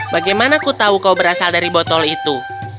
bagaimana aku tahu kau berasal dari botol itu